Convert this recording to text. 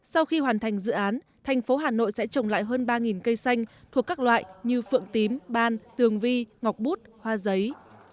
sau khi hoàn thành dự án thành phố hà nội sẽ trồng lại hơn ba cây xanh thuộc các loại như phượng tím ban tường vi ngọc bút hoa giấy